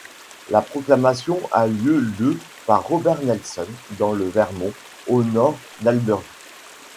La proclamation a lieu le par Robert Nelson dans le Vermont, au nord d'Alburgh.